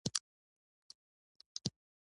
دهغه اودجانان اړیکې لولم